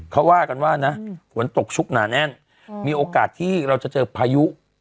เขาว่ากันว่านะฝนตกชุกหนาแน่นมีโอกาสที่เราจะเจอพายุ